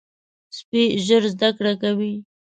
سپي ژر زده کړه کوي.